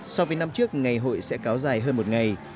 so với năm trước ngày hội sẽ kéo dài hơn một ngày